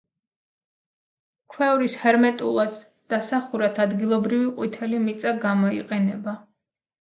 ქვევრის ჰერმეტულად დასახურად ადგილობრივი ყვითელი მიწა გამოიყენება.